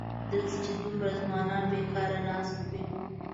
دلته چې دومره ځوانان بېکاره ناست وي.